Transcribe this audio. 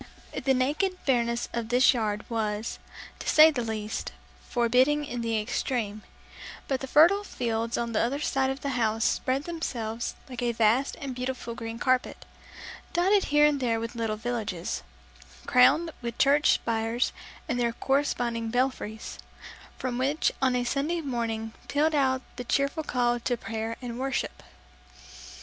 The naked barrenness of this yard was, to say the least, forbidding in the extreme; but the fertile fields on the other side of the house spread themselves like a vast and beautiful green carpet, dotted here and there with little villages, crowned with church spires and their corresponding belfries, from which on a Sunday morning pealed out the cheerful call to prayer and worship.